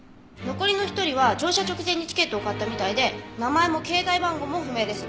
残りの１人は乗車直前にチケットを買ったみたいで名前も携帯番号も不明です。